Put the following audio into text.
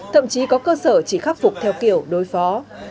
thậm chí có cơ sở chỉ khắc phục theo kiểu đối phó